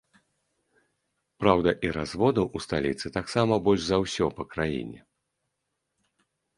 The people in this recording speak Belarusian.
Праўда, і разводаў у сталіцы таксама больш за ўсё па краіне.